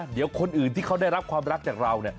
เดี๋ยวคนอื่นที่เขาได้รับความรักจากเรา